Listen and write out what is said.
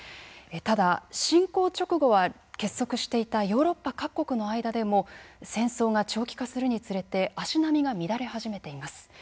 ただ侵攻直後は結束していたヨーロッパ各国の間でも戦争が長期化するにつれて足並みが乱れ始めています。